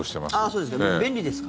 そうですか。